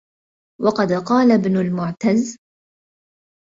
وَقَدْ قَالَ ابْنُ الْمُعْتَزِّ